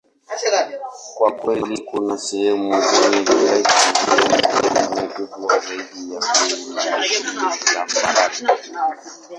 Kwa kweli, kuna sehemu zenye vilima, lakini sehemu kubwa zaidi ya Uholanzi ni tambarare.